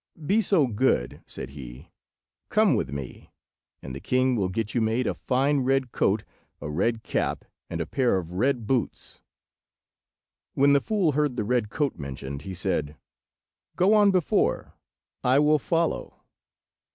"Be so good," said he; "come with me, and the king will get you made a fine red coat, a red cap, and a pair of red boots." When the fool heard the red coat mentioned, he said— "Go on before, I will follow."